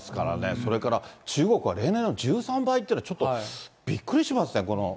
それから中国は例年の１３倍というのは、ちょっとびっくりします